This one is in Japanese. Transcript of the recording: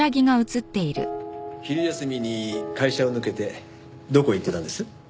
昼休みに会社を抜けてどこ行ってたんです？